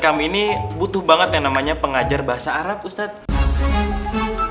kami ini butuh banget yang namanya pengajar bahasa arab ustadz